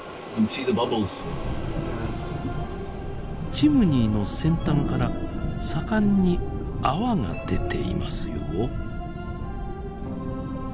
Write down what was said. チムニーの先端から盛んに泡が出ていますよ。